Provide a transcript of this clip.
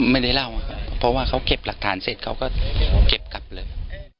ไม่ได้เล่าครับเพราะว่าเขาเก็บหลักฐานเสร็จเขาก็เก็บกลับเลย